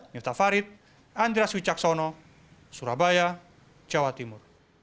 nifta farid andra suicaksono surabaya jawa timur